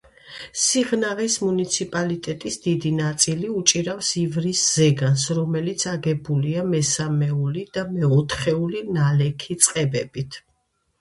სიღნაღის მუნიციპალიტეტის დიდი ნაწილი უჭირავს ივრის ზეგანს, რომელიც აგებულია მესამეული და მეოთხეული ნალექი წყებებით.